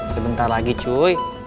sebentar lagi cuy